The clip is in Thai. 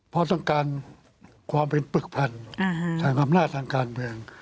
เพราะต้องการความเป็นเป็นปฏิภาณถ่ายความน่าทางการเวียง